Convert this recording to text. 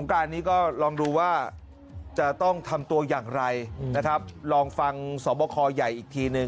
งการนี้ก็ลองดูว่าจะต้องทำตัวอย่างไรนะครับลองฟังสอบคอใหญ่อีกทีหนึ่ง